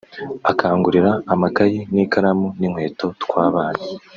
akangurira amakayi n’ikaramu n’inkweto twabana